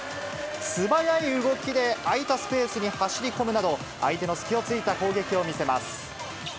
素早い動きで、空いたスペースに走り込むなど、相手の隙をついた攻撃を見せます。